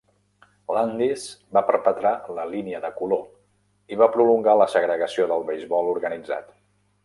Landis va perpetrar la línia de color i va prolongar la segregació del beisbol organitzat.